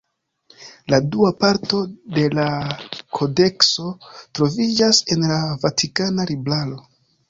La dua parto de la kodekso troviĝas en la Vatikana libraro.